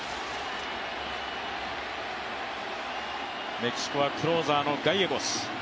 メキシコはクローザーのガイエゴス。